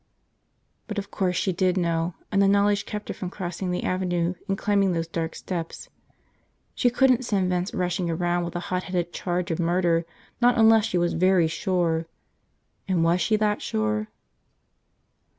But of course she did know, and the knowledge kept her from crossing the avenue and climbing those dark steps. She couldn't send Vince rushing around with a hotheaded charge of murder, not unless she was very sure. And was she that sure?